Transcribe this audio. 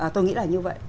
tôi nghĩ là như vậy